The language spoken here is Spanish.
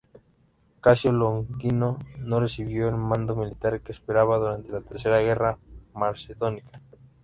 Casio Longino no recibió el mando militar que esperaba durante la tercera guerra macedónica.